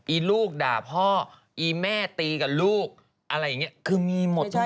อลูกด่าพ่ออีแม่ตีกับลูกอะไรอย่างนี้คือมีหมดจริง